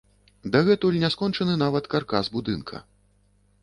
Дагэтуль няскончаны нават каркас будынка.